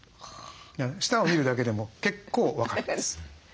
舌を診るだけでも結構分かるんです。